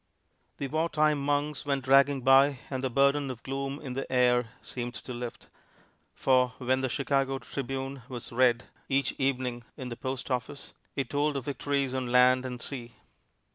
The war time months went dragging by, and the burden of gloom in the air seemed to lift; for when the Chicago "Tribune" was read each evening in the post office it told of victories on land and sea.